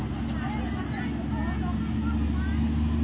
ก็ไม่มีอำนาจ